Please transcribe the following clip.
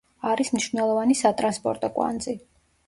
არის მნიშვნელოვანი სატრანსპორტო კვანძი.